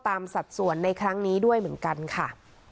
สัดส่วนในครั้งนี้ด้วยเหมือนกันค่ะ